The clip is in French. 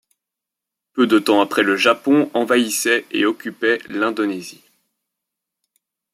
Peu de temps après le Japon envahissait et occupait l'Indonésie.